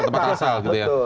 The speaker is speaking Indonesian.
tempat asal gitu ya